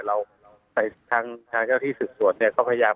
เราทั้งที่ศูนย์สวนเนี่ยก็พยายาม